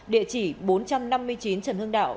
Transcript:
địa chỉ bốn trăm năm mươi chín trần hưng đạo